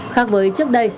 khác với trước đây